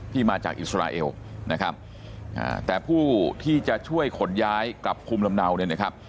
มาจากอิสราเอลนะครับแต่ผู้ที่จะช่วยขนย้ายกลับภูมิลำเนาเนี่ยนะครับ